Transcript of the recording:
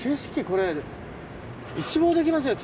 これ一望できますよ